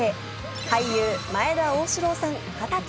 俳優・前田旺志郎さん２０歳。